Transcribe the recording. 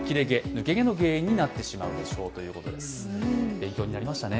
勉強になりましたね。